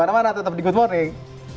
jangan kemana mana tetep di good morning